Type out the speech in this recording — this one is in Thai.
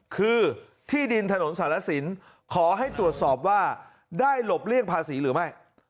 คือที่ดินถนนสารสินขอให้ตรวจสอบว่าได้หลบเลี่ยงภาษีหรือไม่